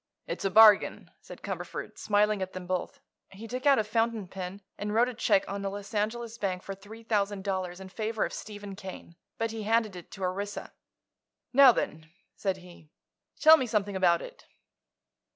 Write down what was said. "It's a bargain," said Cumberford, smiling at them both. He took out a fountain pen and wrote a check on a Los Angeles bank for three thousand dollars in favor of Stephen Kane. But he handed it to Orissa. "Now then," said he, "tell me something about it."